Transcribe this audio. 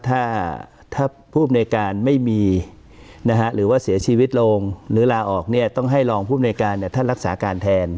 ถ้าผู้บรรยาการไม่มีหรือว่าเสียชีวิตโลงหรือลาออกต้องให้ลองเป็นผู้บรรยาการรักษาการแทน